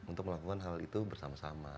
untuk melakukan hal itu bersama sama